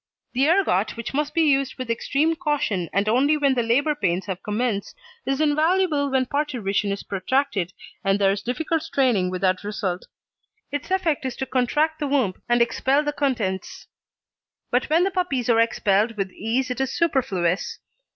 The ergot, which must be used with extreme caution and only when the labour pains have commenced, is invaluable when parturition is protracted, and there is difficult straining without result. Its effect is to contract the womb and expel the contents. But when the puppies are expelled with ease it is superfluous.